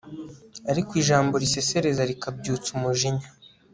ariko ijambo risesereza rikabyutsa umujinya